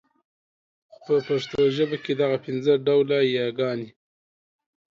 په پښتو ژبه کي دغه پنځه ډوله يې ګاني